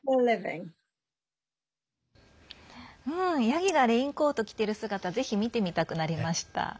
ヤギが、レインコート着てる姿ぜひ見てみたくなりました。